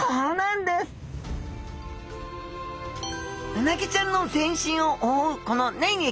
うなぎちゃんの全身を覆うこの粘液。